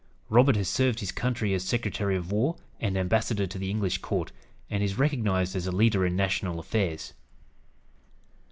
Robert has served his country as Secretary of War and Ambassador to the English court, and is recognized as a leader in national affairs.